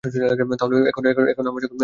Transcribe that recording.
তাহলে, এখন আমার সঙ্গে বাড়ি চল?